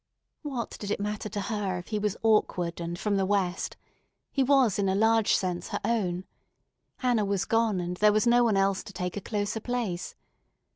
What did it matter to her if he was awkward and from the West? He was in a large sense her own. Hannah was gone, and there was no one else to take a closer place.